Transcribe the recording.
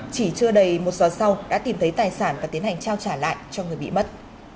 chỉ chưa đầy một giờ sau đã tìm thấy tài sản và tiến hành trao trả lại cho người bị mất